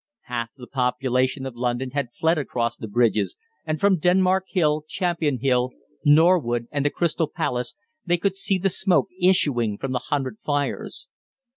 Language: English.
Half the population of London had fled across the bridges, and from Denmark Hill, Champion Hill, Norwood, and the Crystal Palace they could see the smoke issuing from the hundred fires.